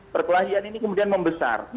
perkelahian ini kemudian membesar